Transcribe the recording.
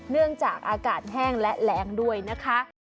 เนื่องจากอากาศแห้งและแรงด้วยนะคะ